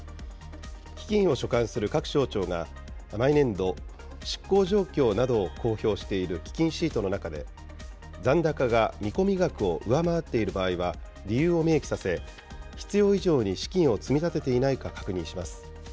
基金を所管する各省庁が毎年度、執行状況などを公表している基金シートの中で、残高が見込み額を上回っている場合は理由を明記させ、必要以上に資金を積み立てていないか確認します。